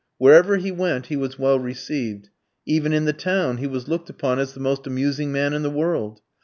Wherever he went he was well received. Even in the town he was looked upon as the most amusing man in the world.